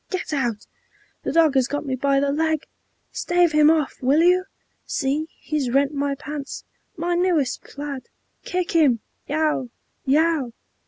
"Get out!" "The dog has got me by the leg!" "Stave him off! Will you? See, he's rent my pants, My newest plaid! Kick him!" "Yow, yow!"